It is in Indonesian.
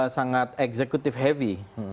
sangat eksekutif heavy